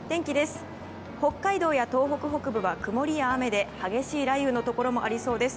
北海道や東北北部は曇りや雨で激しい雷雨のところもありそうです。